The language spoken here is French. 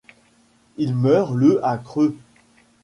Il meurt le à Kreuth.